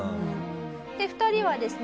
で２人はですね